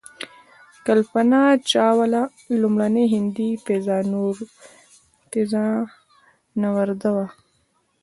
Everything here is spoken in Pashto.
کلپنا چاوله لومړنۍ هندۍ فضانورده وه.